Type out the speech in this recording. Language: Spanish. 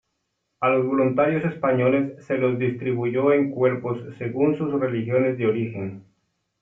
A los voluntarios españoles se los distribuyó en cuerpos según sus regiones de origen.